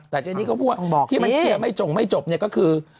แต่เจนี่ก็พูดว่าที่มันเคลียร์ไม่จงไม่จบเนี่ยก็คือ